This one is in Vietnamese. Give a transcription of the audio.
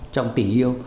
trong tình yêu